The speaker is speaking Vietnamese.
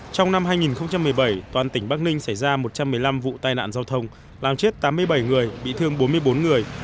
trong năm hai nghìn một mươi bảy toàn tỉnh bắc ninh xảy ra một trăm một mươi năm vụ tai nạn giao thông làm chết tám mươi bảy người bị thương bốn mươi bốn người